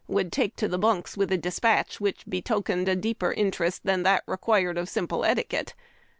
would take to the bunks with a dispatch which betokened a deeper interest than that required of simple etiquette.